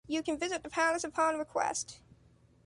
You can visit the palace upon request.